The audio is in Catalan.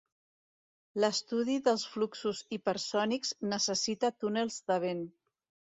L'estudi dels fluxos hipersònics necessita túnels de vent.